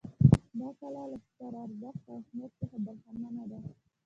دا کلا له ستر ارزښت او اهمیت څخه برخمنه ده.